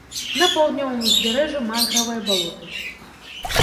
На паўднёвым узбярэжжы мангравыя балоты.